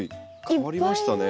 変わりましたね。